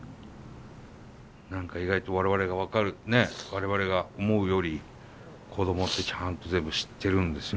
何か意外と我々が思うより子供ってちゃんと全部知ってるんですね。